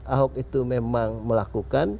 ahok itu memang melakukan